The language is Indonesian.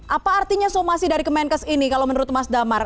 apa artinya somasi dari kemenkes ini kalau menurut mas damar